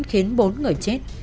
khiến bốn người chết